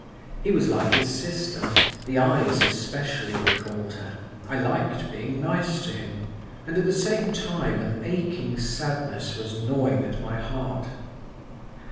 He was like his sister. The eyes especially recalled her, I liked being nice to him; and at the same time an aching sadness was gnawing at my heart.